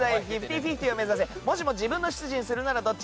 ５０：５０を目指せもしも自分の執事にするならどっち？